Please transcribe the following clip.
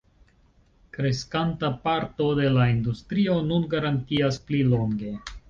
Kreskanta parto de la industrio nun garantias pli longe.